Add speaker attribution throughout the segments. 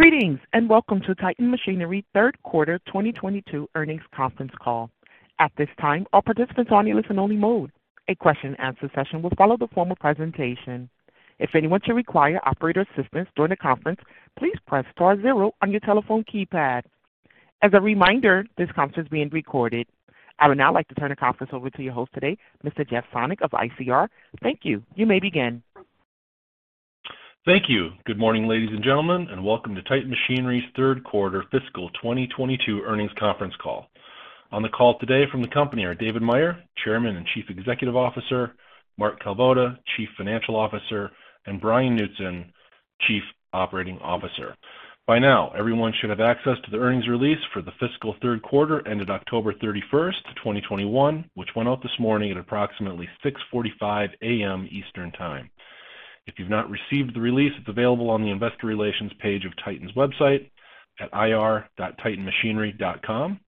Speaker 1: Greetings, and welcome to Titan Machinery Third Quarter 2022 Earnings Conference Call. At this time, all participants are in listen-only mode. A question and answer session will follow the formal presentation. If anyone should require operator assistance during the conference, please press star zero on your telephone keypad. As a reminder, this conference is being recorded. I would now like to turn the conference over to your host today, Mr. Jeff Sonnek of ICR. Thank you. You may begin.
Speaker 2: Thank you. Good morning, ladies and gentlemen, and welcome to Titan Machinery's third quarter fiscal 2022 earnings conference call. On the call today from the company are David Meyer, Chairman and Chief Executive Officer, Mark Kalvoda, Chief Financial Officer, and Bryan Knutson, Chief Operating Officer. By now, everyone should have access to the earnings release for the fiscal third quarter ended October 31st, 2021, which went out this morning at approximately 6:45 A.M. Eastern Time. If you've not received the release, it's available on the investor relations page of Titan's website at ir.titanmachinery.com.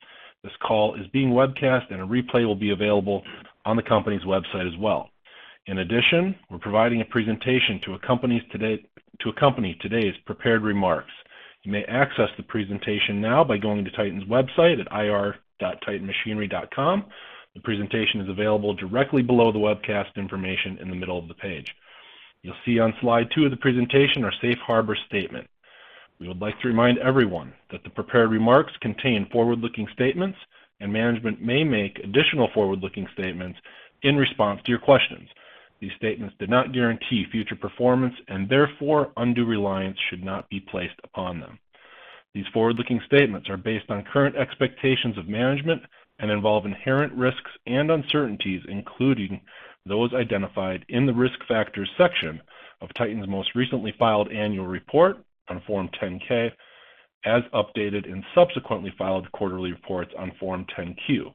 Speaker 2: This call is being webcast, and a replay will be available on the company's website as well. In addition, we're providing a presentation to accompany today's prepared remarks. You may access the presentation now by going to Titan's website at ir.titanmachinery.com. The presentation is available directly below the webcast information in the middle of the page. You'll see on slide two of the presentation our safe harbor statement. We would like to remind everyone that the prepared remarks contain forward-looking statements, and management may make additional forward-looking statements in response to your questions. These statements do not guarantee future performance, and therefore, undue reliance should not be placed upon them. These forward-looking statements are based on current expectations of management and involve inherent risks and uncertainties, including those identified in the Risk Factors section of Titan's most recently filed annual report on Form 10-K as updated and subsequently filed quarterly reports on Form 10-Q.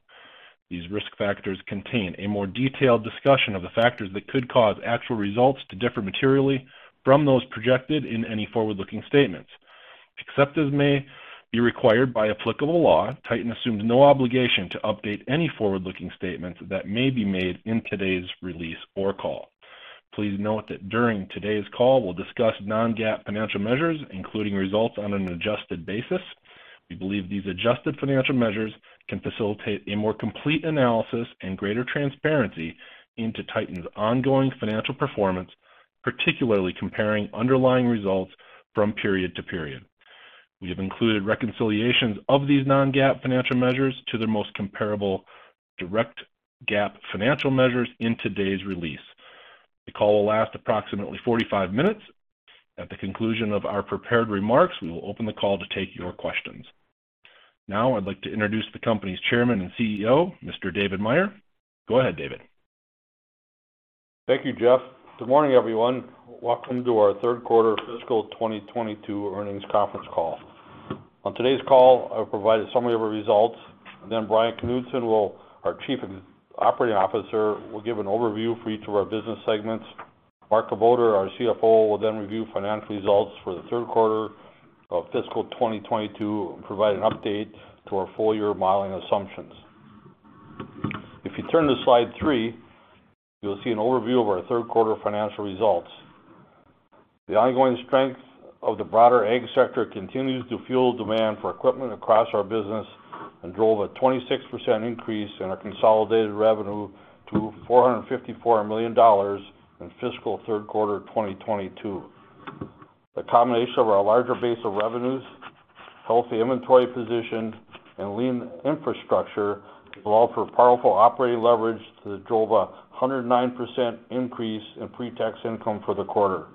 Speaker 2: These risk factors contain a more detailed discussion of the factors that could cause actual results to differ materially from those projected in any forward-looking statements. Except as may be required by applicable law, Titan assumes no obligation to update any forward-looking statements that may be made in today's release or call. Please note that during today's call, we'll discuss non-GAAP financial measures, including results on an adjusted basis. We believe these adjusted financial measures can facilitate a more complete analysis and greater transparency into Titan's ongoing financial performance, particularly comparing underlying results from period to period. We have included reconciliations of these non-GAAP financial measures to their most comparable direct GAAP financial measures in today's release. The call will last approximately 45 minutes. At the conclusion of our prepared remarks, we will open the call to take your questions. Now, I'd like to introduce the company's chairman and CEO, Mr. David Meyer. Go ahead, David.
Speaker 3: Thank you, Jeff. Good morning, everyone. Welcome to our third quarter fiscal 2022 earnings conference call. On today's call, I'll provide a summary of our results. Then Bryan Knutson, our Chief Operating Officer, will give an overview for each of our business segments. Mark Kalvoda, our CFO, will then review financial results for the third quarter of fiscal 2022 and provide an update to our full-year modeling assumptions. If you turn to slide three, you'll see an overview of our third quarter financial results. The ongoing strength of the broader ag sector continues to fuel demand for equipment across our business and drove a 26% increase in our consolidated revenue to $454 million in fiscal third quarter of 2022. The combination of our larger base of revenues, healthy inventory position, and lean infrastructure allowed for powerful operating leverage that drove a 109% increase in pre-tax income for the quarter.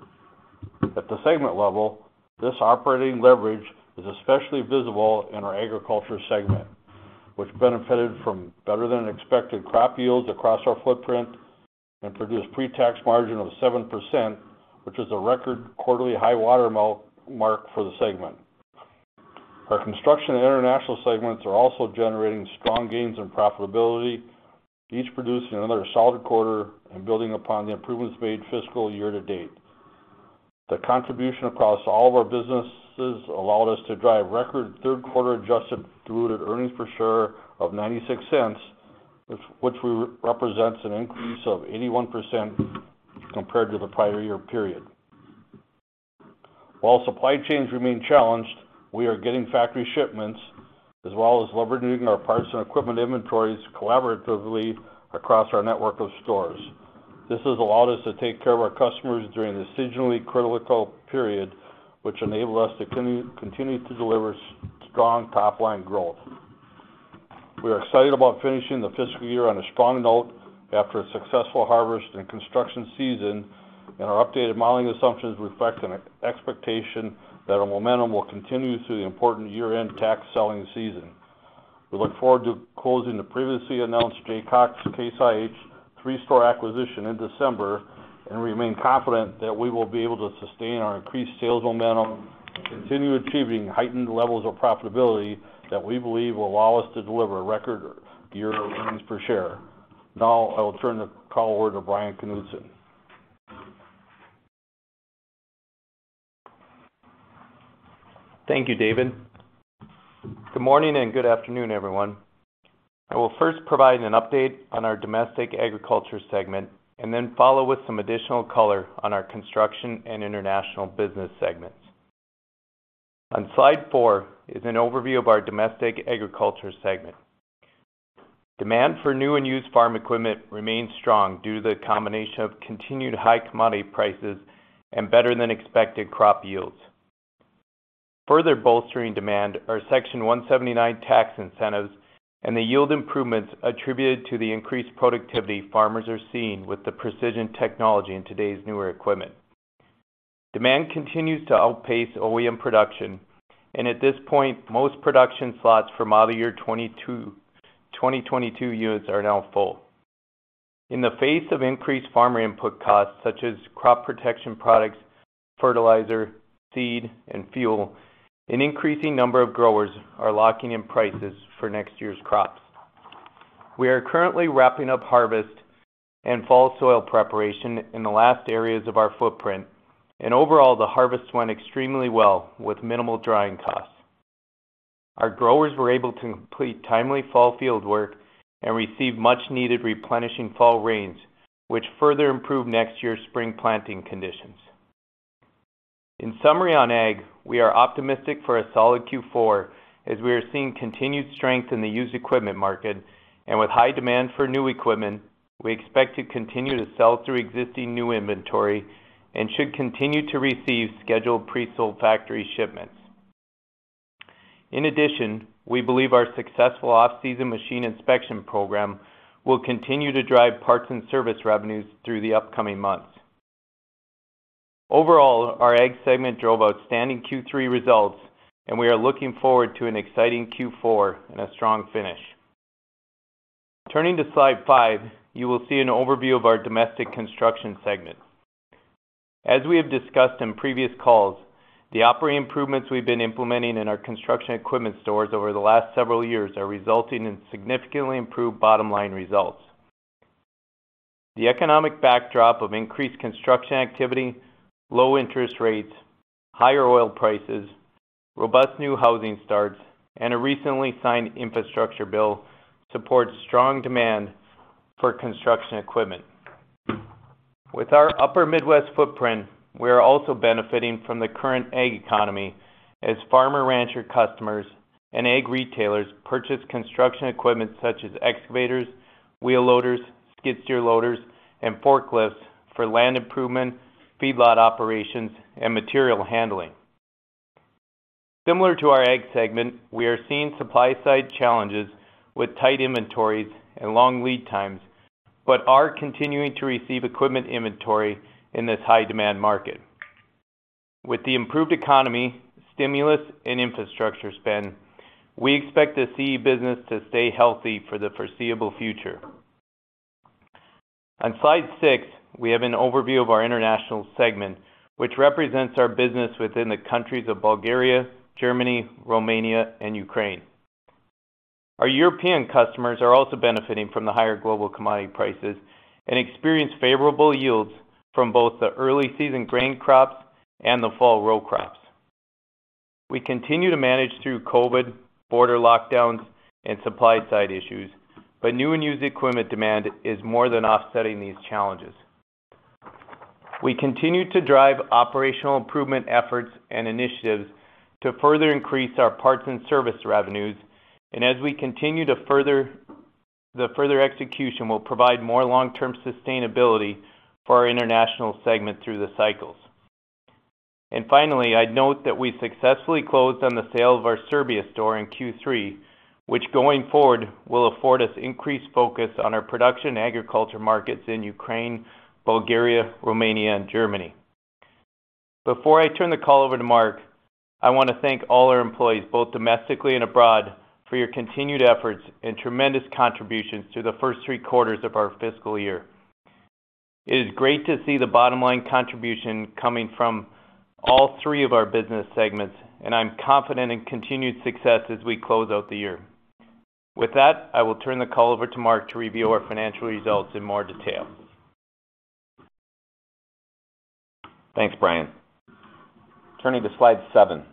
Speaker 3: At the segment level, this operating leverage is especially visible in our agriculture segment, which benefited from better than expected crop yields across our footprint and produced pre-tax margin of 7%, which is a record quarterly high-water mark for the segment. Our construction and international segments are also generating strong gains in profitability, each producing another solid quarter and building upon the improvements made fiscal year to date. The contribution across all of our businesses allowed us to drive record third quarter adjusted diluted earnings per share of $0.96, which represents an increase of 81% compared to the prior year period. While supply chains remain challenged, we are getting factory shipments as well as leveraging our parts and equipment inventories collaboratively across our network of stores. This has allowed us to take care of our customers during this seasonally critical period, which enabled us to continue to deliver strong top-line growth. We are excited about finishing the fiscal year on a strong note after a successful harvest and construction season, and our updated modeling assumptions reflect an expectation that our momentum will continue through the important year-end tax selling season. We look forward to closing the previously announced Jaycox-Case IH three-store acquisition in December and remain confident that we will be able to sustain our increased sales momentum, continue achieving heightened levels of profitability that we believe will allow us to deliver record year earnings per share. Now I will turn the call over to Bryan Knutson.
Speaker 2: Thank you, David.
Speaker 4: Good morning and good afternoon, everyone. I will first provide an update on our Domestic Agriculture segment and then follow with some additional color on our Construction and International business segments. On slide four is an overview of our Domestic Agriculture segment. Demand for new and used farm equipment remains strong due to the combination of continued high commodity prices and better than expected crop yields. Further bolstering demand are Section 179 tax incentives and the yield improvements attributed to the increased productivity farmers are seeing with the precision technology in today's newer equipment. Demand continues to outpace OEM production, and at this point, most production slots for model year 2022 units are now full. In the face of increased farmer input costs, such as crop protection products, fertilizer, seed, and fuel, an increasing number of growers are locking in prices for next year's crops. We are currently wrapping up harvest and fall soil preparation in the last areas of our footprint. Overall, the harvest went extremely well with minimal drying costs. Our growers were able to complete timely fall field work and receive much-needed replenishing fall rains, which further improve next year's spring planting conditions. In summary on Ag, we are optimistic for a solid Q4 as we are seeing continued strength in the used equipment market. With high demand for new equipment, we expect to continue to sell through existing new inventory and should continue to receive scheduled pre-sold factory shipments. In addition, we believe our successful off-season machine inspection program will continue to drive parts and service revenues through the upcoming months. Overall, our Ag segment drove outstanding Q3 results, and we are looking forward to an exciting Q4 and a strong finish. Turning to slide five, you will see an overview of our Domestic Construction segment. As we have discussed in previous calls, the operating improvements we've been implementing in our construction equipment stores over the last several years are resulting in significantly improved bottom-line results. The economic backdrop of increased construction activity, low interest rates, higher oil prices, robust new housing starts, and a recently signed infrastructure bill supports strong demand for construction equipment. With our upper Midwest footprint, we are also benefiting from the current Ag economy as farmer rancher customers and Ag retailers purchase construction equipment such as excavators, wheel loaders, skid steer loaders, and forklifts for land improvement, feedlot operations, and material handling. Similar to our Ag segment, we are seeing supply-side challenges with tight inventories and long lead times, but are continuing to receive equipment inventory in this high demand market. With the improved economy, stimulus, and infrastructure spend, we expect the CE business to stay healthy for the foreseeable future. On slide six, we have an overview of our International segment, which represents our business within the countries of Bulgaria, Germany, Romania, and Ukraine. Our European customers are also benefiting from the higher global commodity prices and experience favorable yields from both the early season grain crops and the fall row crops. We continue to manage through COVID border lockdowns and supply side issues, but new and used equipment demand is more than offsetting these challenges. We continue to drive operational improvement efforts and initiatives to further increase our parts and service revenues. As we continue, the further execution will provide more long-term sustainability for our International segment through the cycles. Finally, I'd note that we successfully closed on the sale of our Serbia store in Q3, which going forward, will afford us increased focus on our production agriculture markets in Ukraine, Bulgaria, Romania, and Germany. Before I turn the call over to Mark, I want to thank all our employees, both domestically and abroad, for your continued efforts and tremendous contributions to the first three quarters of our fiscal year. It is great to see the bottom line contribution coming from all three of our business segments, and I'm confident in continued success as we close out the year. With that, I will turn the call over to Mark to review our financial results in more detail.
Speaker 5: Thanks, Bryan. Turning to slide seven.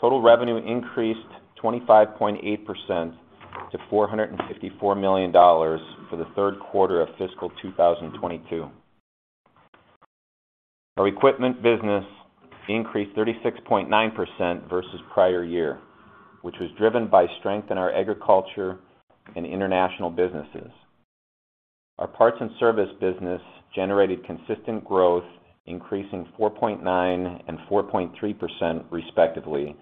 Speaker 5: Total revenue increased 25.8% to $454 million for the third quarter of fiscal 2022. Our equipment business increased 36.9% versus prior year, which was driven by strength in our agriculture and international businesses. Our parts and service business generated consistent growth, increasing 4.9% and 4.3% respectively,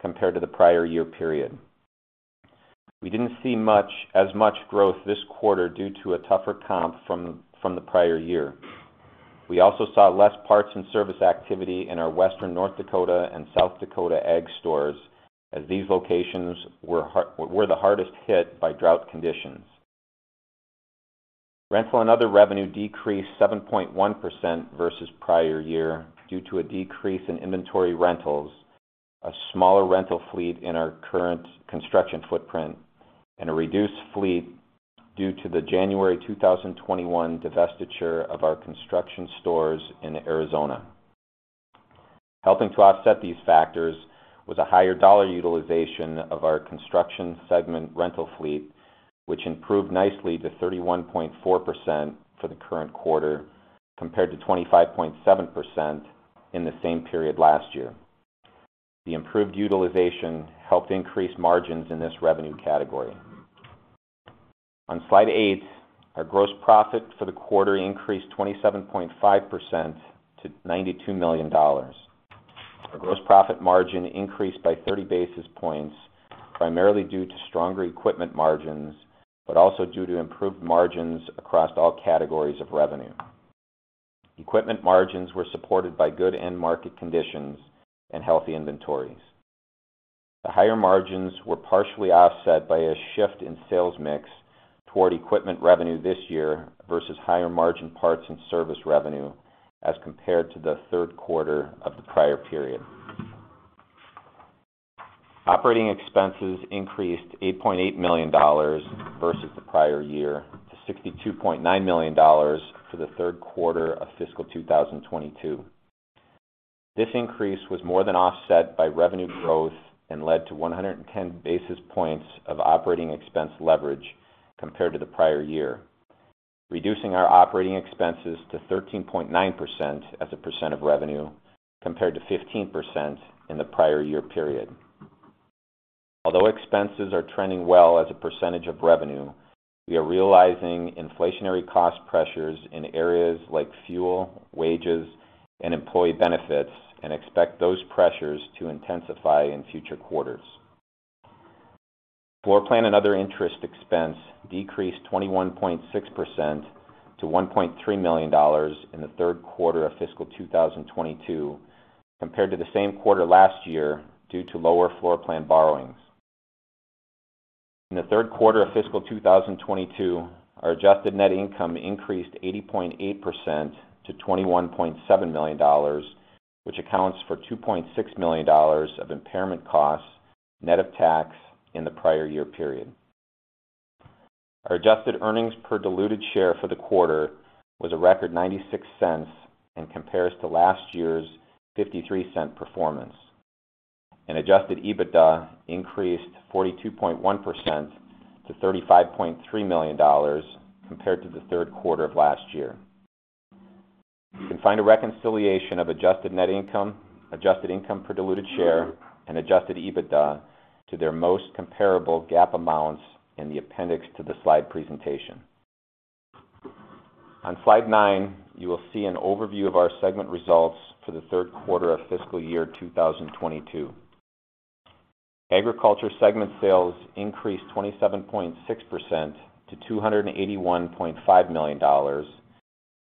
Speaker 5: compared to the prior year period. We didn't see as much growth this quarter due to a tougher comp from the prior year. We also saw less parts and service activity in our western North Dakota and South Dakota Ag stores as these locations were the hardest hit by drought conditions. Rental and other revenue decreased 7.1% versus prior year due to a decrease in inventory rentals, a smaller rental fleet in our current construction footprint, and a reduced fleet due to the January 2021 divestiture of our construction stores in Arizona. Helping to offset these factors was a higher dollar utilization of our construction segment rental fleet, which improved nicely to 31.4% for the current quarter compared to 25.7% in the same period last year. The improved utilization helped increase margins in this revenue category. On Slide eight, our gross profit for the quarter increased 27.5% to $92 million. Our gross profit margin increased by 30 basis points, primarily due to stronger equipment margins, but also due to improved margins across all categories of revenue. Equipment margins were supported by good end market conditions and healthy inventories. The higher margins were partially offset by a shift in sales mix toward equipment revenue this year versus higher margin parts and service revenue as compared to the third quarter of the prior period. Operating expenses increased $8.8 million versus the prior year to $62.9 million for the third quarter of fiscal 2022. This increase was more than offset by revenue growth and led to 110 basis points of operating expense leverage compared to the prior year, reducing our operating expenses to 13.9% as a percent of revenue compared to 15% in the prior year period. Although expenses are trending well as a percentage of revenue, we are realizing inflationary cost pressures in areas like fuel, wages, and employee benefits and expect those pressures to intensify in future quarters. Floor plan and other interest expense decreased 21.6% to $1.3 million in the third quarter of fiscal 2022 compared to the same quarter last year due to lower floor plan borrowings. In the third quarter of fiscal 2022, our adjusted net income increased 80.8% to $21.7 million, which accounts for $2.6 million of impairment costs net of tax in the prior year period. Our adjusted earnings per diluted share for the quarter was a record $0.96 and compares to last year's $0.53 performance. Adjusted EBITDA increased 42.1% to $35.3 million compared to the third quarter of last year. You can find a reconciliation of adjusted net income, adjusted income per diluted share, and adjusted EBITDA to their most comparable GAAP amounts in the appendix to the slide presentation. On slide nine, you will see an overview of our segment results for the third quarter of fiscal year 2022. Agriculture segment sales increased 27.6% to $281.5 million,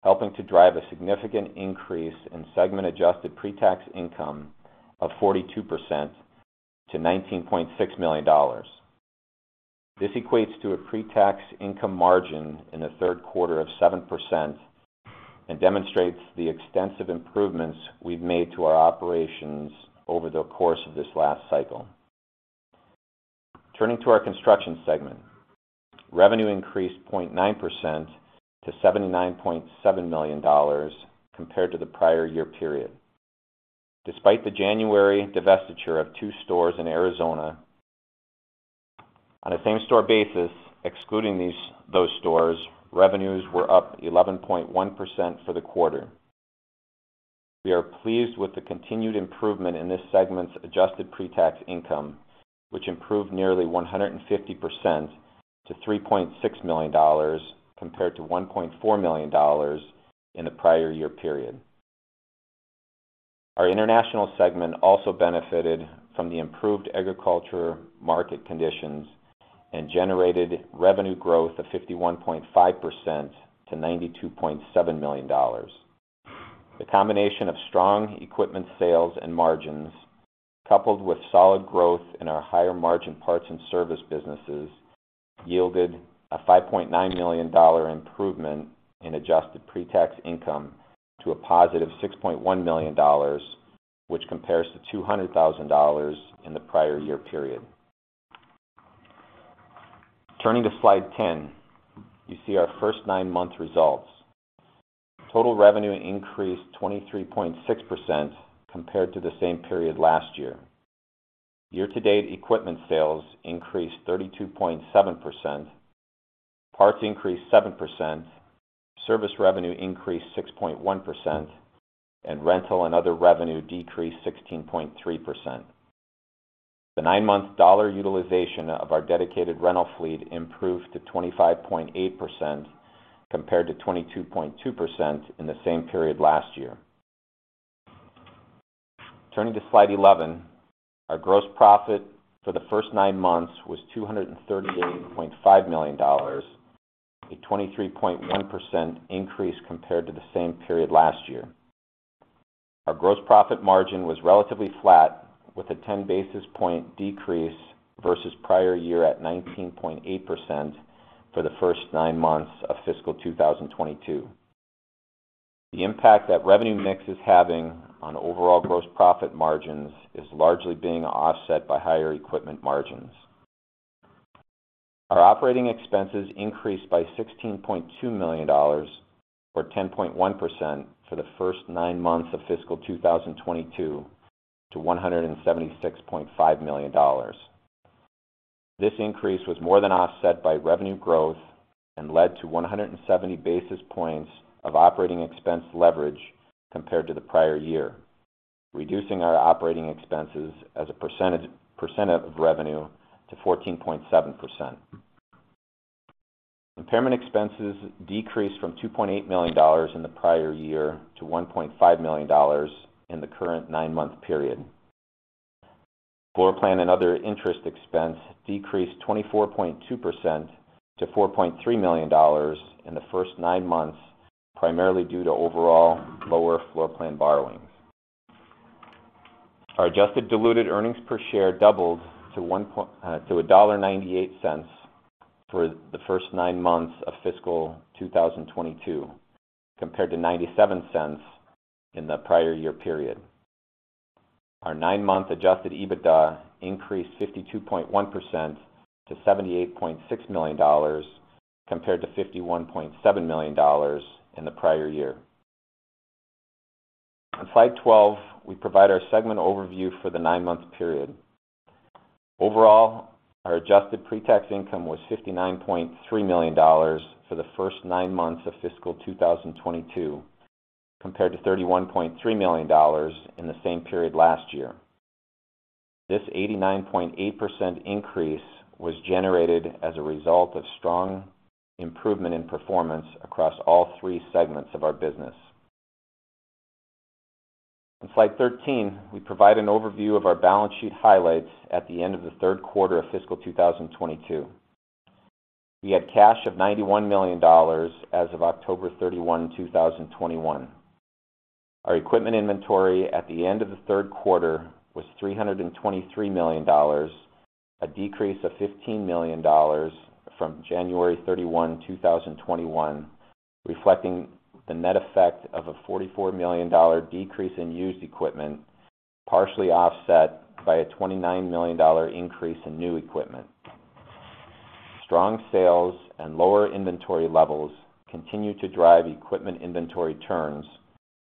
Speaker 5: helping to drive a significant increase in segment adjusted pre-tax income of 42% to $19.6 million. This equates to a pre-tax income margin in the third quarter of 7% and demonstrates the extensive improvements we've made to our operations over the course of this last cycle. Turning to our Construction segment. Revenue increased 0.9% to $79.7 million compared to the prior year period. Despite the January divestiture of two stores in Arizona, on a same-store basis, excluding these, those stores, revenues were up 11.1% for the quarter. We are pleased with the continued improvement in this segment's adjusted pre-tax income, which improved nearly 150% to $3.6 million compared to $1.4 million in the prior year period. Our international segment also benefited from the improved agriculture market conditions and generated revenue growth of 51.5% to $92.7 million. The combination of strong equipment sales and margins, coupled with solid growth in our higher-margin parts and service businesses, yielded a $5.9 million improvement in adjusted pre-tax income to a positive $6.1 million, which compares to $200,000 in the prior year period. Turning to slide 10, you see our first 9-month results. Total revenue increased 23.6% compared to the same period last year. Year-to-date equipment sales increased 32.7%, parts increased 7%, service revenue increased 6.1%, and rental and other revenue decreased 16.3%. The 9-month dollar utilization of our dedicated rental fleet improved to 25.8% compared to 22.2% in the same period last year. Turning to slide 11, our gross profit for the first nine months was $238.5 million, a 23.1% increase compared to the same period last year. Our gross profit margin was relatively flat with a 10 basis point decrease versus prior year at 19.8% for the first nine months of fiscal 2022. The impact that revenue mix is having on overall gross profit margins is largely being offset by higher equipment margins. Our operating expenses increased by $16.2 million, or 10.1% for the first nine months of fiscal 2022 to $176.5 million. This increase was more than offset by revenue growth and led to 170 basis points of operating expense leverage compared to the prior year, reducing our operating expenses as a percent of revenue to 14.7%. Impairment expenses decreased from $2.8 million in the prior year to $1.5 million in the current nine-month period. Floor plan and other interest expense decreased 24.2% to $4.3 million in the first nine months, primarily due to overall lower floor plan borrowings. Our adjusted diluted earnings per share doubled to $1.98 for the first nine months of fiscal 2022, compared to $0.97 in the prior year period. Our nine month adjusted EBITDA increased 52.1% to $78.6 million, compared to $51.7 million in the prior year. On slide 12, we provide our segment overview for the nine month period. Overall, our adjusted pre-tax income was $59.3 million for the first nine months of fiscal 2022, compared to $31.3 million in the same period last year. This 89.8% increase was generated as a result of strong improvement in performance across all three segments of our business. On slide 13, we provide an overview of our balance sheet highlights at the end of the third quarter of fiscal 2022. We had cash of $91 million as of October 31, 2021. Our equipment inventory at the end of the third quarter was $323 million, a decrease of $15 million from January 31, 2021, reflecting the net effect of a $44 million decrease in used equipment, partially offset by a $29 million increase in new equipment. Strong sales and lower inventory levels continue to drive equipment inventory turns,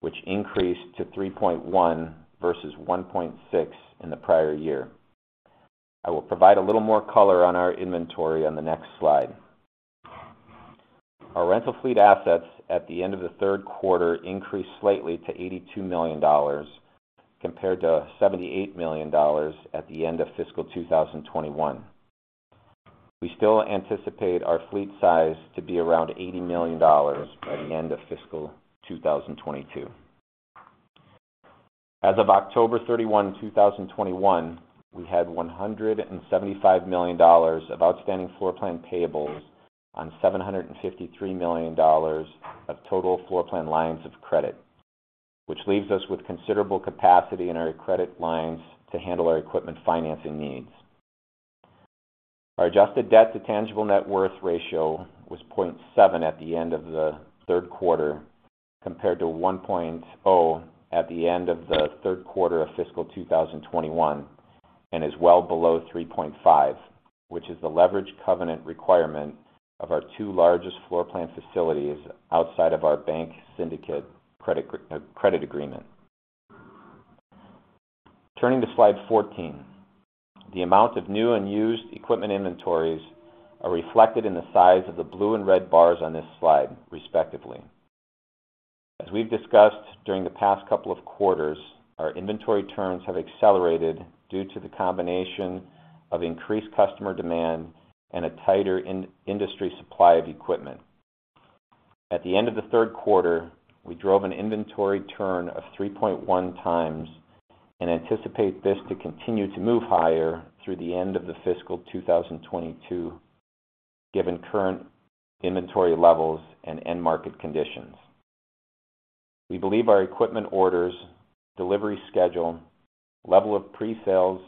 Speaker 5: which increased to 3.1 versus 1.6 in the prior year. I will provide a little more color on our inventory on the next slide. Our rental fleet assets at the end of the third quarter increased slightly to $82 million compared to $78 million at the end of fiscal 2021. We still anticipate our fleet size to be around $80 million by the end of fiscal 2022. As of October 31, 2021, we had $175 million of outstanding floor plan payables on $753 million of total floor plan lines of credit, which leaves us with considerable capacity in our credit lines to handle our equipment financing needs. Our adjusted debt to tangible net worth ratio was 0.7 at the end of the third quarter, compared to 1.0 at the end of the third quarter of fiscal 2021, and is well below 3.5, which is the leverage covenant requirement of our two largest floor plan facilities outside of our bank syndicate credit agreement. Turning to slide 14. The amount of new and used equipment inventories are reflected in the size of the blue and red bars on this slide, respectively. As we've discussed during the past couple of quarters, our inventory turns have accelerated due to the combination of increased customer demand and a tighter in-industry supply of equipment. At the end of the third quarter, we drove an inventory turn of 3.1 times and anticipate this to continue to move higher through the end of the fiscal 2022, given current inventory levels and end market conditions. We believe our equipment orders, delivery schedule, level of pre-sales,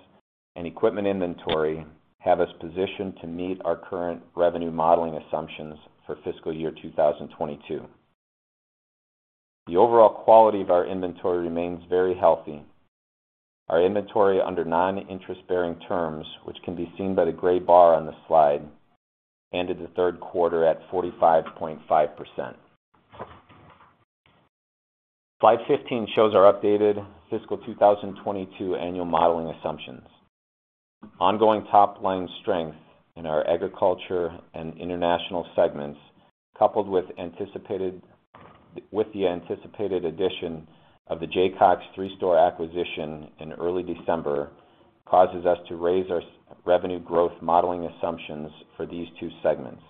Speaker 5: and equipment inventory have us positioned to meet our current revenue modeling assumptions for fiscal year 2022. The overall quality of our inventory remains very healthy. Our inventory under non-interest bearing terms, which can be seen by the gray bar on the slide, ended the third quarter at 45.5%. Slide 15 shows our updated fiscal 2022 annual modeling assumptions. Ongoing top-line strength in our agriculture and international segments, coupled with the anticipated addition of the Jaycox three-store acquisition in early December, causes us to raise our revenue growth modeling assumptions for these two segments.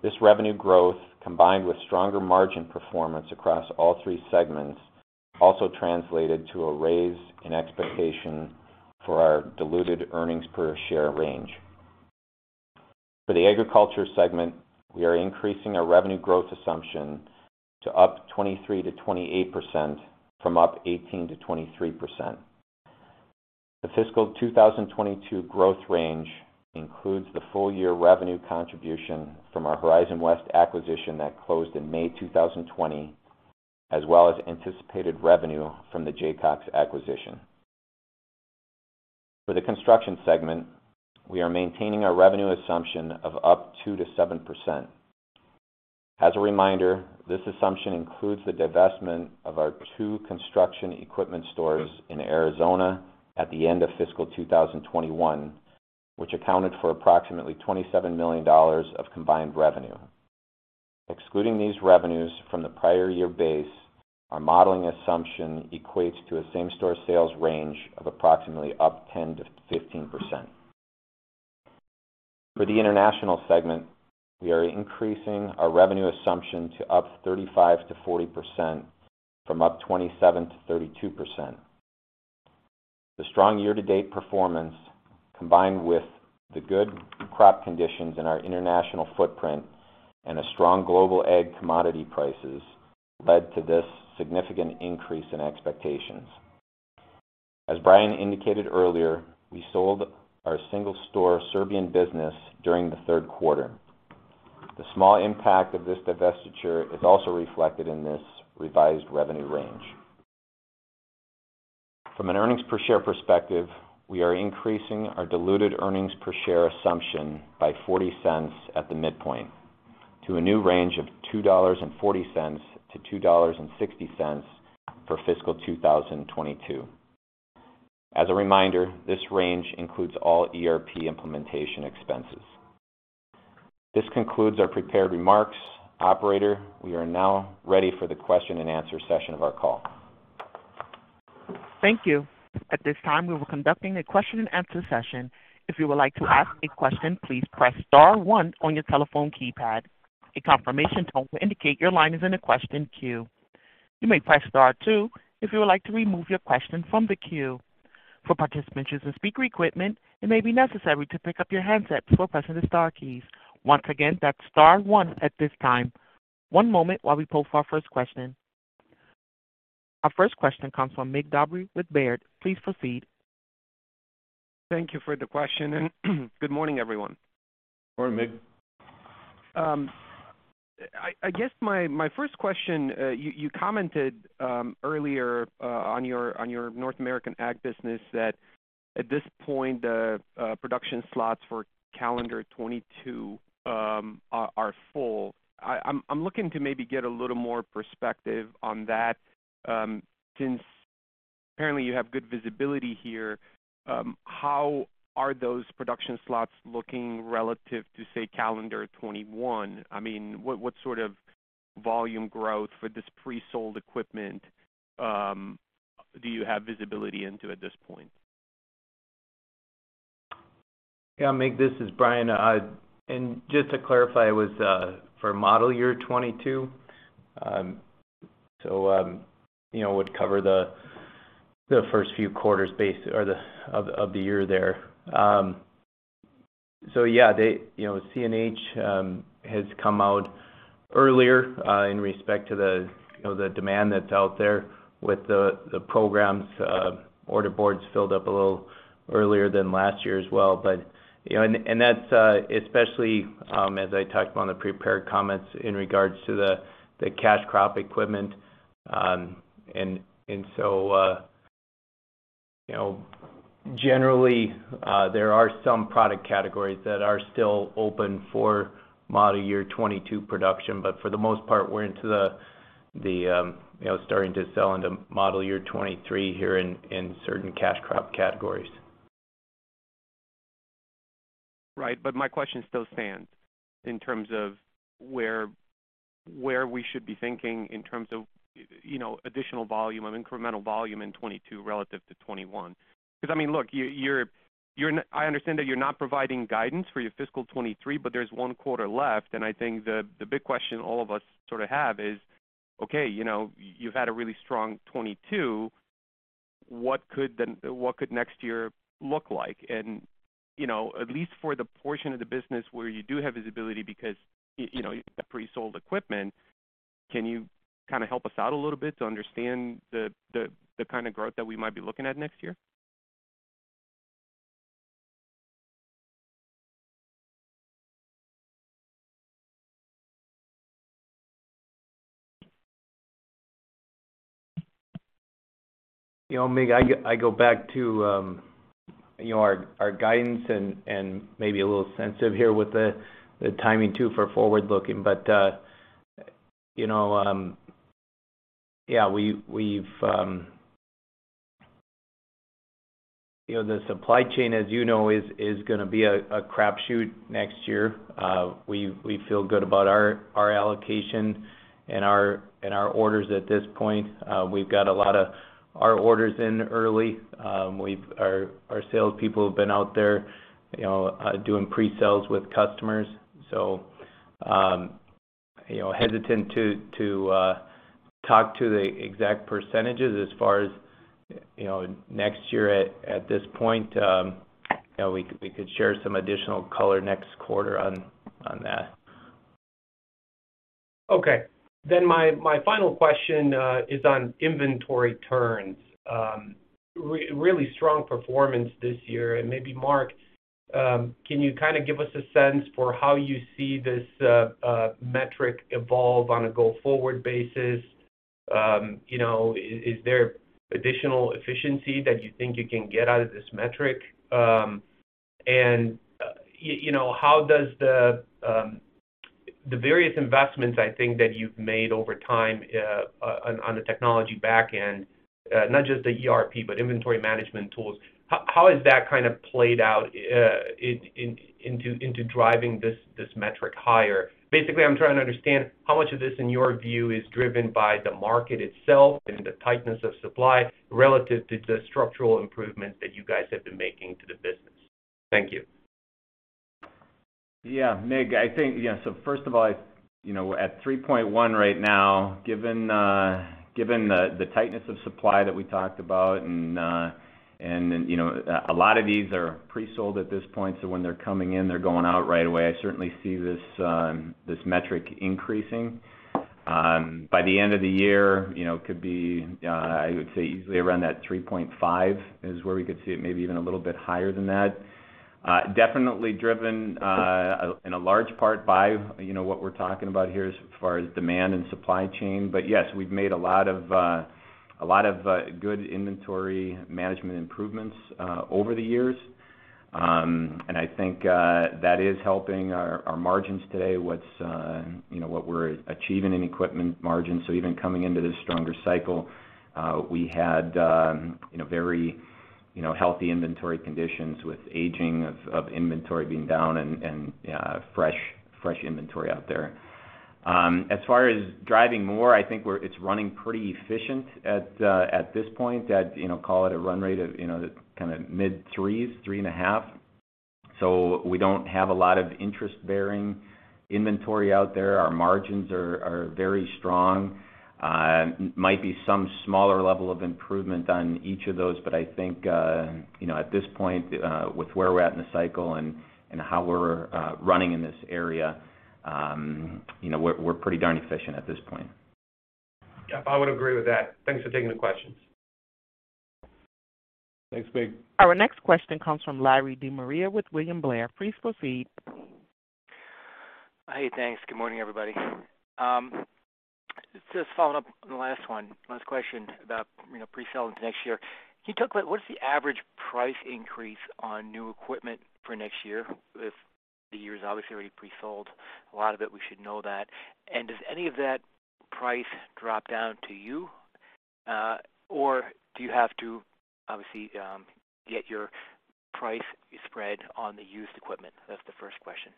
Speaker 5: This revenue growth, combined with stronger margin performance across all three segments, also translated to a raise in expectation for our diluted earnings per share range. For the agriculture segment, we are increasing our revenue growth assumption to up 23%-28% from up 18%-23%. The fiscal 2022 growth range includes the full year revenue contribution from our Horizon West acquisition that closed in May 2020. As well as anticipated revenue from the Jaycox acquisition. For the Construction segment, we are maintaining our revenue assumption of up 2%-7%. As a reminder, this assumption includes the divestment of our two construction equipment stores in Arizona at the end of fiscal 2021, which accounted for approximately $27 million of combined revenue. Excluding these revenues from the prior year base, our modeling assumption equates to a same-store sales range of approximately up 10%-15%. For the International segment, we are increasing our revenue assumption to up 35%-40% from up 27%-32%. The strong year-to-date performance, combined with the good crop conditions in our international footprint and a strong global ag commodity prices led to this significant increase in expectations. As Bryan indicated earlier, we sold our single store Serbian business during the third quarter. The small impact of this divestiture is also reflected in this revised revenue range. From an earnings per share perspective, we are increasing our diluted earnings per share assumption by $0.40 at the midpoint to a new range of $2.40-$2.60 for fiscal 2022. As a reminder, this range includes all ERP implementation expenses. This concludes our prepared remarks. Operator, we are now ready for the question-and-answer session of our call.
Speaker 1: Thank you. At this time, we will be conducting a question-and-answer session. If you would like to ask a question, please press star one on your telephone keypad. A confirmation tone will indicate your line is in a question queue. You may press star two if you would like to remove your question from the queue. For participants using speaker equipment, it may be necessary to pick up your handsets before pressing the star keys. Once again, that's star one at this time. One moment while we pull for our first question. Our first question comes from Mircea Dobre with Baird. Please proceed.
Speaker 6: Thank you for the question and good morning, everyone.
Speaker 3: Morning, Mircea Dobre.
Speaker 6: I guess my first question. You commented earlier on your North American ag business that at this point the production slots for calendar 2022 are full. I'm looking to maybe get a little more perspective on that. Since apparently you have good visibility here, how are those production slots looking relative to, say, calendar 2021? I mean, what sort of volume growth for this pre-sold equipment do you have visibility into at this point?
Speaker 4: Yeah, Mircea, this is Bryan. Just to clarify, it was for model year 2022. It would cover the first few quarters of the year there. CNH has come out earlier with respect to the demand that's out there with the programs. Order boards filled up a little earlier than last year as well. That's especially as I touched upon the prepared comments in regards to the cash crop equipment. Generally, there are some product categories that are still open for model year 2022 production. For the most part, we're into the you know, starting to sell into model year 2023 here in certain cash crop categories.
Speaker 6: Right. My question still stands in terms of where we should be thinking in terms of, you know, additional volume or incremental volume in 2022 relative to 2021. Because, I mean, look, you're not providing guidance for your fiscal 2023, but there's one quarter left, and I think the big question all of us sort of have is, okay, you know, you've had a really strong 2022. What could next year look like? You know, at least for the portion of the business where you do have visibility because, you know, you've got pre-sold equipment, can you kind of help us out a little bit to understand the kind of growth that we might be looking at next year?
Speaker 4: You know, Mircea Dobre, I go back to you know, our guidance and maybe a little sensitive here with the timing too for forward-looking. You know, the supply chain, as you know, is gonna be a crapshoot next year. We feel good about our allocation and our orders at this point. We've got a lot of our orders in early. Our salespeople have been out there, you know, doing pre-sales with customers. You know, hesitant to talk to the exact percentages as far as you know, next year at this point. You know, we could share some additional color next quarter on that.
Speaker 6: Okay. My final question is on inventory turns. Really strong performance this year. Maybe, Mark, can you kind of give us a sense for how you see this metric evolve on a go-forward basis? You know, is there additional efficiency that you think you can get out of this metric? And you know, how does the various investments, I think that you've made over time, on the technology back-end, not just the ERP, but inventory management tools, how has that kind of played out, into driving this metric higher? Basically, I'm trying to understand how much of this, in your view, is driven by the market itself and the tightness of supply relative to the structural improvements that you guys have been making to the business. Thank you.
Speaker 5: Yeah. Mircea Dobre, I think, so first of all, you know, at 3.1 right now, given the tightness of supply that we talked about, and then, you know, a lot of these are pre-sold at this point, so when they're coming in, they're going out right away. I certainly see this metric increasing. By the end of the year, you know, it could be, I would say, easily around that 3.5 is where we could see it, maybe even a little bit higher than that. Definitely driven in a large part by, you know, what we're talking about here as far as demand and supply chain. Yes, we've made a lot of good inventory management improvements over the years. I think that is helping our margins today, what's, you know, what we're achieving in equipment margins. Even coming into this stronger cycle, we had, you know, very, you know, healthy inventory conditions with aging of inventory being down and fresh inventory out there. As far as driving more, I think it's running pretty efficient at this point. That, you know, call it a run rate of, you know, kind of mid-3s, 3.5. We don't have a lot of interest-bearing inventory out there. Our margins are very strong. Might be some smaller level of improvement on each of those, but I think, you know, at this point, with where we're at in the cycle and how we're running in this area, you know, we're pretty darn efficient at this point.
Speaker 6: Yeah, I would agree with that. Thanks for taking the questions.
Speaker 3: Thanks, Mircea Dobre.
Speaker 1: Our next question comes from Larry DeMaria with William Blair. Please proceed.
Speaker 7: Hey, thanks. Good morning, everybody. Just following up on the last one, last question about, you know, pre-sales next year. Can you talk about what is the average price increase on new equipment for next year? If the year is obviously already pre-sold, a lot of it, we should know that. Does any of that price drop down to you, or do you have to obviously get your price spread on the used equipment? That's the first question.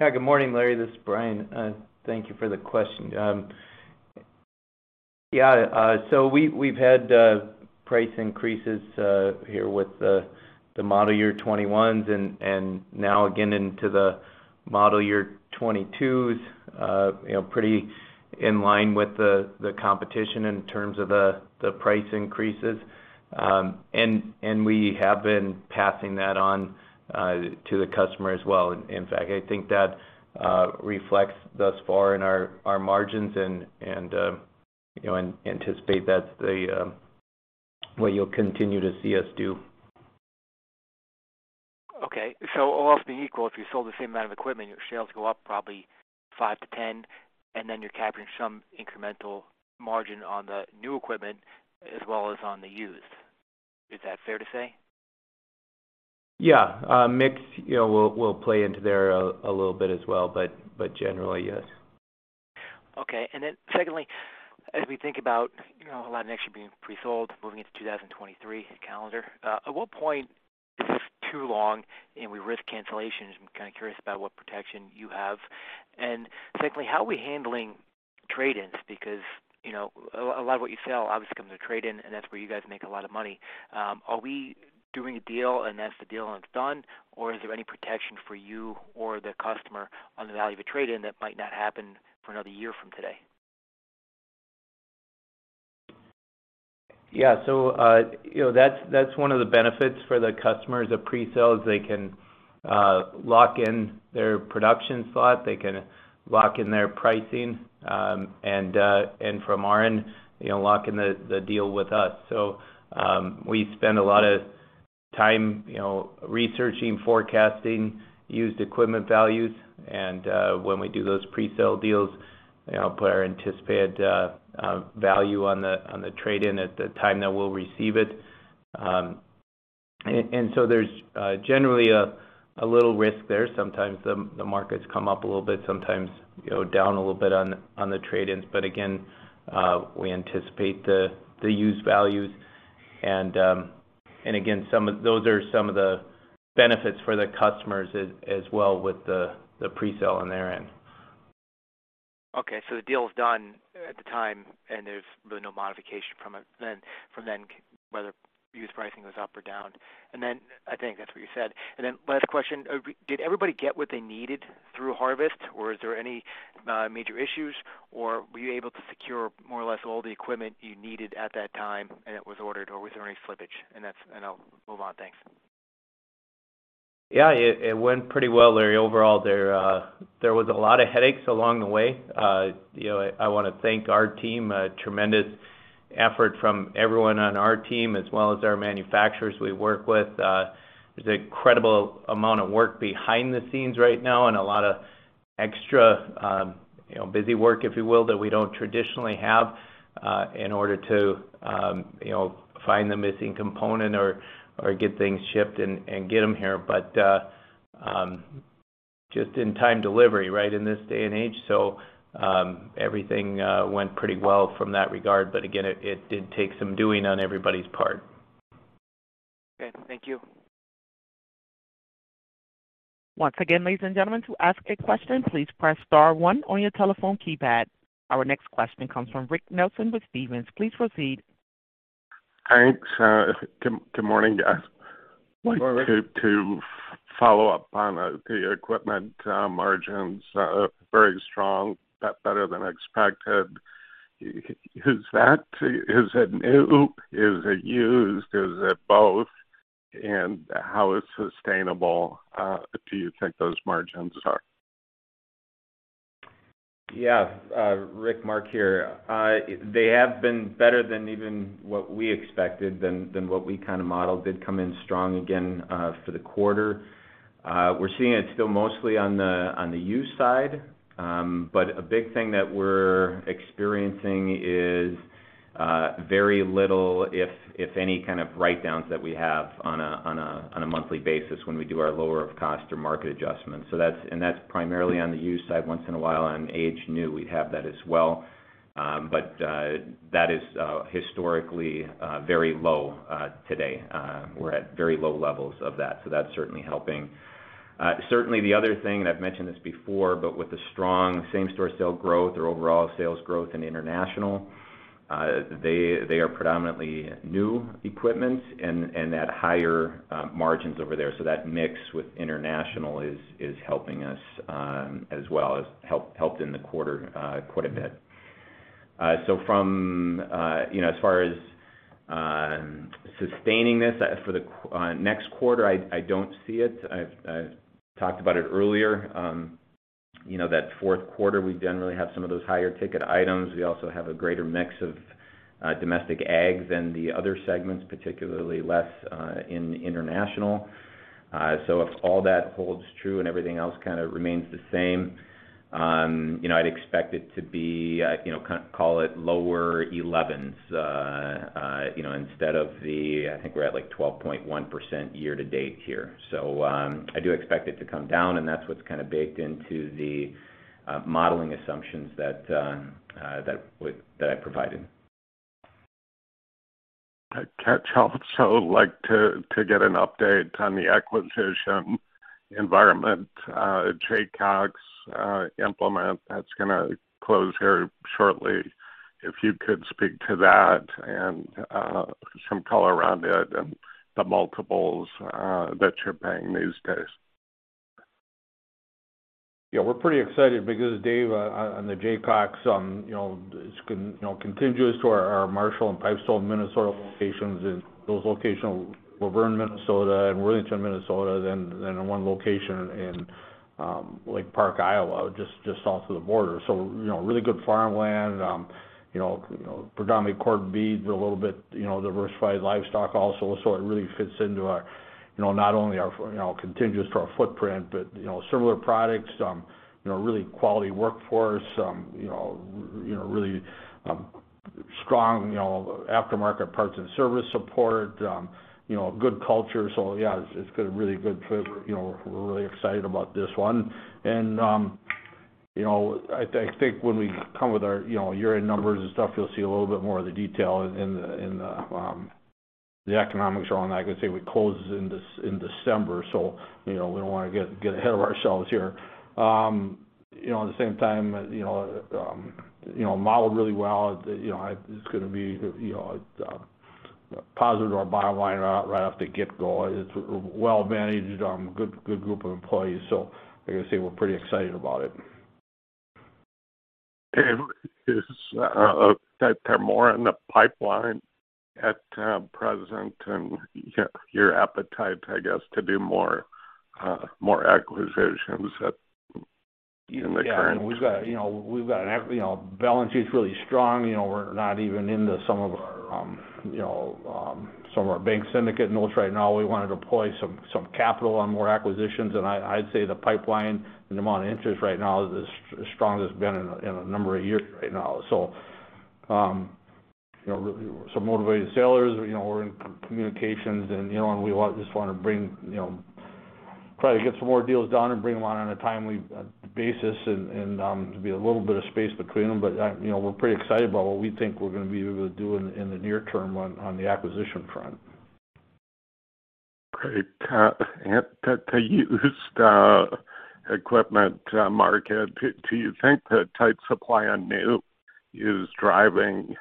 Speaker 4: Yeah. Good morning, Larry. This is Bryan. Thank you for the question. Yeah, so we've had price increases here with the model year 2021s and now again into the model year 2022s, you know, pretty in line with the competition in terms of the price increases. And we have been passing that on to the customer as well. In fact, I think that reflects thus far in our margins and you know, we anticipate that's what you'll continue to see us do.
Speaker 7: Okay. All else being equal, if you sold the same amount of equipment, your sales go up probably 5%-10%, and then you're capturing some incremental margin on the new equipment as well as on the used. Is that fair to say?
Speaker 4: Yeah. Mig, you know, will play into there a little bit as well, but generally, yes.
Speaker 7: Okay. Then secondly, as we think about, you know, a lot of next year being pre-sold, moving into 2023 calendar, at what point is this too long and we risk cancellations? I'm kind of curious about what protection you have. Then secondly, how are we handling trade-ins? Because, you know, a lot of what you sell obviously comes with a trade-in, and that's where you guys make a lot of money. Are we doing a deal, and that's the deal, and it's done, or is there any protection for you or the customer on the value of a trade-in that might not happen for another year from today?
Speaker 4: Yeah. You know, that's one of the benefits for the customers of pre-sale, is they can lock in their production slot, they can lock in their pricing, and from our end, you know, lock in the deal with us. We spend a lot of time, you know, researching, forecasting used equipment values. When we do those pre-sale deals, you know, put our anticipated value on the trade-in at the time that we'll receive it. There's generally a little risk there. Sometimes the markets come up a little bit, sometimes, you know, down a little bit on the trade-ins. Again, we anticipate the used values. Again, those are some of the benefits for the customers as well with the pre-sale on their end.
Speaker 7: Okay. The deal is done at the time, and there's really no modification from it then, from then whether used pricing goes up or down. I think that's what you said. Last question, did everybody get what they needed through harvest, or is there any major issues, or were you able to secure more or less all the equipment you needed at that time and it was ordered, or was there any slippage? That's. I'll move on. Thanks.
Speaker 4: Yeah, it went pretty well, Larry. Overall, there was a lot of headaches along the way. You know, I wanna thank our team, tremendous effort from everyone on our team as well as our manufacturers we work with. There's an incredible amount of work behind the scenes right now and a lot of extra, you know, busy work, if you will, that we don't traditionally have in order to, you know, find the missing component or get things shipped and get them here. Just in time delivery, right, in this day and age. Everything went pretty well from that regard. Again, it did take some doing on everybody's part.
Speaker 7: Okay. Thank you.
Speaker 1: Once again, ladies and gentlemen, to ask a question, please press star one on your telephone keypad. Our next question comes from Rick Nelson with Stephens. Please proceed.
Speaker 8: Thanks. Good morning.
Speaker 3: Good morning.
Speaker 8: To follow up on the equipment margins, very strong, that better than expected. Is it new? Is it used? Is it both? How sustainable do you think those margins are?
Speaker 5: Yeah. Rick, Mark here. They have been better than even what we expected than what we kinda modeled, did come in strong again for the quarter. We're seeing it still mostly on the used side. A big thing that we're experiencing is very little, if any kind of write-downs that we have on a monthly basis when we do our lower of cost or market adjustments. That's primarily on the used side. Once in a while on aged new, we have that as well. That is historically very low today. We're at very low levels of that's certainly helping. Certainly the other thing, and I've mentioned this before, but with the strong same-store sale growth or overall sales growth in international, they are predominantly new equipment and at higher margins over there. That mix with international is helping us as well, has helped in the quarter quite a bit. From, you know, as far as sustaining this for the next quarter, I don't see it. I've talked about it earlier. You know that fourth quarter, we generally have some of those higher ticket items. We also have a greater mix of domestic ag than the other segments, particularly less in international. If all that holds true and everything else kinda remains the same, you know, I'd expect it to be, you know, call it lower elevens, you know, instead of the, I think we're at, like, 12.1% year-to-date here. I do expect it to come down, and that's what's kinda baked into the modeling assumptions that I provided.
Speaker 8: I'd also like to get an update on the acquisition environment, Jaycox Implement, that's gonna close here shortly. If you could speak to that and some color around it and the multiples that you're paying these days.
Speaker 3: Yeah, we're pretty excited because Dave, on the Jaycox, you know, is, you know, contiguous to our Marshall and Pipestone, Minnesota locations. Those locations, Luverne, Minnesota, and Worthington, Minnesota, then one location in Lake Park, Iowa, just south of the border. You know, really good farmland, you know, predominantly corn and beans, but a little bit, you know, diversified livestock also. It really fits into, you know, not only our, you know, contiguous to our footprint, but you know, similar products, you know, really quality workforce, you know, really strong, you know, aftermarket parts and service support, you know, good culture. Yeah, it's a really good fit, you know, we're really excited about this one.
Speaker 5: You know, I think when we come with our year-end numbers and stuff, you'll see a little bit more of the detail in the economics around that. Like I say, we close in December, so you know, we don't wanna get ahead of ourselves here. You know, at the same time, you know, modeled really well. You know, it's gonna be positive to our bottom line right off the get-go. It's well managed, good group of employees. Like I say, we're pretty excited about it.
Speaker 8: Are there more in the pipeline at present and your appetite, I guess, to do more acquisitions in the current-
Speaker 3: Yeah. We've got, you know, balance sheet's really strong. You know, we're not even into some of our bank syndicate notes right now. We wanna deploy some capital on more acquisitions. I'd say the pipeline and the amount of interest right now is as strong as it's been in a number of years right now. You know, some motivated sellers. You know, we're in communications and we just wanna bring, you know, try to get some more deals done and bring them on a timely basis and to be a little bit of space between them. You know, we're pretty excited about what we think we're gonna be able to do in the near term on the acquisition front.
Speaker 8: Great. To the used equipment market, do you think the tight supply on new is driving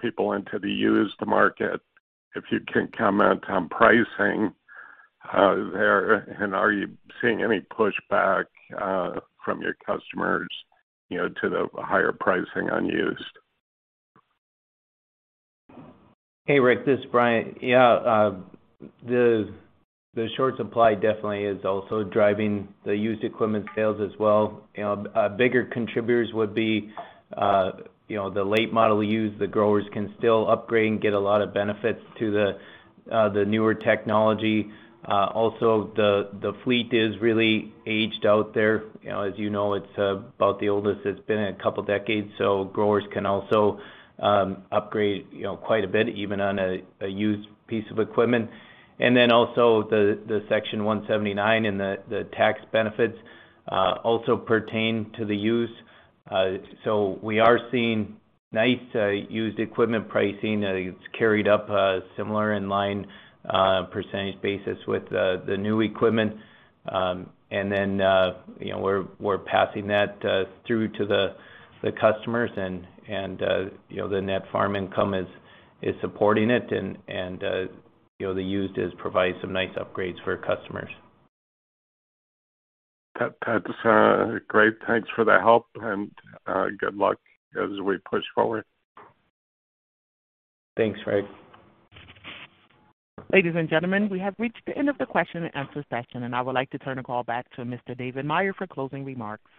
Speaker 8: people into the used market? If you can comment on pricing there, and are you seeing any pushback from your customers, you know, to the higher pricing on used?
Speaker 4: Hey, Rick, this is Bryan. Yeah. The short supply definitely is also driving the used equipment sales as well. You know, bigger contributors would be, you know, the late model used. The growers can still upgrade and get a lot of benefits to the newer technology. Also, the fleet is really aged out there. You know, as you know, it's about the oldest it's been in a couple of decades, so growers can also upgrade, you know, quite a bit even on a used piece of equipment. Also, the Section 179 and the tax benefits also pertain to the used. We are seeing nice used equipment pricing. It's carried up similar in line, percentage basis with the new equipment. You know, we're passing that through to the customers, and you know, the net farm income is supporting it, and you know, the used is providing some nice upgrades for customers.
Speaker 8: That's great. Thanks for the help, and good luck as we push forward.
Speaker 3: Thanks, Rick.
Speaker 1: Ladies and gentlemen, we have reached the end of the question-and-answer session, and I would like to turn the call back to Mr. David Meyer for closing remarks.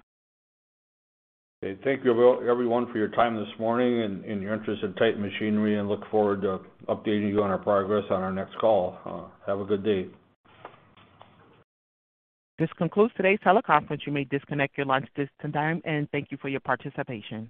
Speaker 3: Okay. Thank you, everyone, for your time this morning and your interest in Titan Machinery and look forward to updating you on our progress on our next call. Have a good day.
Speaker 1: This concludes today's teleconference. You may disconnect your lines this time, and thank you for your participation.